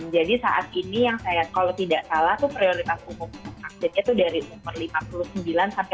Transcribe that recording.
jadi saat ini yang saya kalau tidak salah itu prioritas umur untuk vaksinnya itu dari umur lima puluh sembilan sampai lima puluh